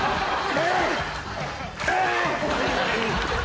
えい！